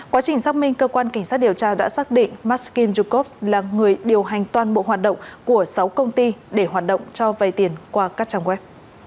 quá trình xác minh cơ quan cảnh sát điều tra đã xác định masking jakov là người điều hành toàn bộ hoạt động của sáu công ty để hoạt động cho vay tiền qua các trang web